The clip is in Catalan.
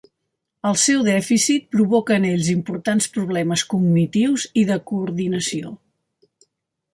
El seu dèficit provoca en ells importants problemes cognitius i de coordinació.